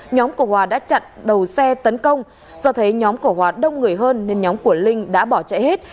nhóm của hòa đã chặn đầu xe tấn công do thấy nhóm cổ hòa đông người hơn nên nhóm của linh đã bỏ chạy hết